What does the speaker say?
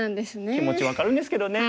気持ち分かるんですけどね。